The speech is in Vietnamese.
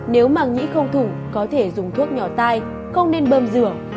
nếu màng nhĩ không thủng có thể dùng thuốc nhỏ tay không nên bơm rửa